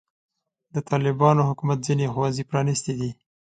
د طالبانو حکومت ځینې ښوونځي پرانستې دي.